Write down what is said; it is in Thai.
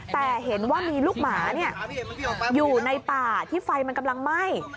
แต่เห็นว่ามีลูกหมาอยู่ในป่าที่ไฟมันกำลังไหม้